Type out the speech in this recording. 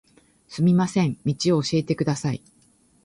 すみません、道を教えてください。